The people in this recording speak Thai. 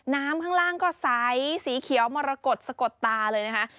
น้ำข้างล่างก็ใสสีเขียวมรกฏสะกดตาเลยนะคะ